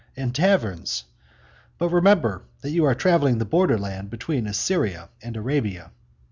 and taverns? But remember that you are traversing the border land between Assyria and Arabia."